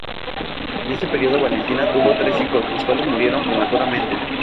En este periodo Valentina tuvo tres hijos los cuales murieron prematuramente.